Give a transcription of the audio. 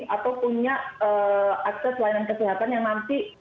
atau punya akses layanan kesehatan yang nanti